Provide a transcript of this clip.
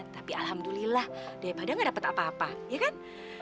tapi alhamdulillah daripada nggak dapet apa apa ya kan